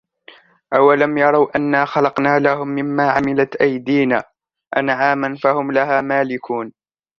أَوَلَمْ يَرَوْا أَنَّا خَلَقْنَا لَهُمْ مِمَّا عَمِلَتْ أَيْدِينَا أَنْعَامًا فَهُمْ لَهَا مَالِكُونَ